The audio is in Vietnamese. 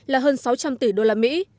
là hơn sáu trăm linh tỷ đô la mỹ